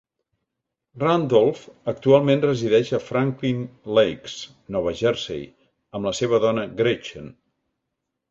Randolph actualment resideix a Franklin Lakes, Nova Jersey, amb la seva dona Gretchen.